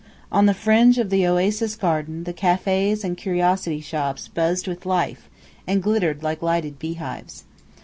On the fringe of the oasis garden the cafés and curiosity shops buzzed with life, and glittered like lighted beehives.